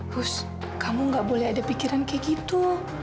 rus kamu nggak boleh ada pikiran kaya gitu